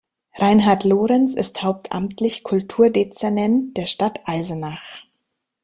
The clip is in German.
Reinhard Lorenz ist hauptamtlich Kulturdezernent der Stadt Eisenach.